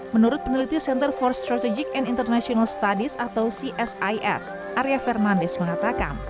menurut peneliti center for strategic and international studies atau csis arya fernandes mengatakan